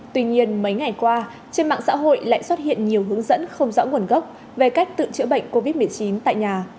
tuy nhiên mấy ngày qua trên mạng xã hội lại xuất hiện nhiều hướng dẫn không rõ nguồn gốc về cách tự chữa bệnh covid một mươi chín tại nhà